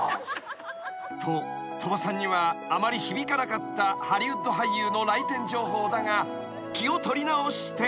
［と鳥羽さんにはあまり響かなかったハリウッド俳優の来店情報だが］